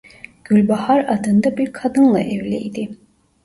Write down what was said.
Gülbahar adında bir kadınla evliydi.